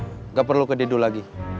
nggak perlu kediduh lagi